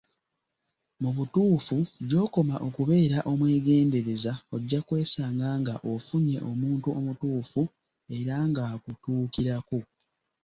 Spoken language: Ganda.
Mu butuufu gy'okoma okubeera omwegendereza ojja kwesanga nga ofunye omuntu omutuufu era ng'akutuukirako.